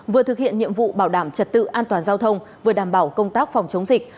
vừa thực hiện nhiệm vụ bảo đảm trật tự an toàn giao thông vừa đảm bảo công tác phòng chống dịch